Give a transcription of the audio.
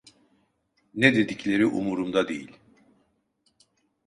Ne dedikleri umurumda değil.